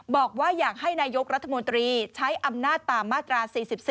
บอกว่าอยากให้นายกรัฐมนตรีใช้อำนาจตามมาตรา๔๔